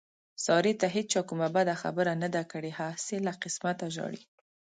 سارې ته هېچا کومه بده خبره نه ده کړې، هسې له قسته ژاړي.